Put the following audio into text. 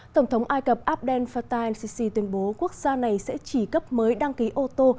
tổng thống ai cập abdel fattah el sisi tuyên bố quốc gia này sẽ chỉ cấp mới đăng ký ô tô